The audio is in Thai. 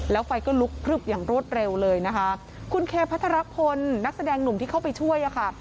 แล้วไฟก็ลุกพลึบอย่างรวดเร็วเลยนะคะคุณเคพัทรพลนักแสดงหนุ่มที่เข้าไปช่วยอ่ะค่ะ